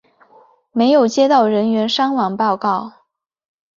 没有接到人员伤亡报告。